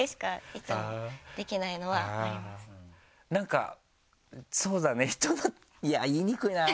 なんかそうだね人のいや言いにくいな。